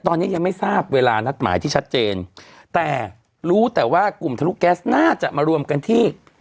ตอนนี้ยังไม่ทราบเวลานัดหมายที่ชัดเจนแต่รู้แต่ว่ากลุ่มทะลุแก๊สน่าจะมารวมกันที่